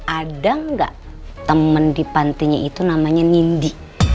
ada nggak temen di pantinya itu namanya nindy